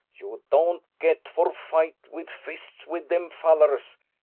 ] You don't gat for fight with fists with dem fallars.